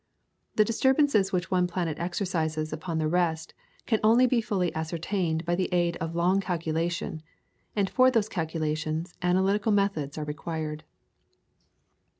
The disturbances which one planet exercises upon the rest can only be fully ascertained by the aid of long calculation, and for these calculations analytical methods are required.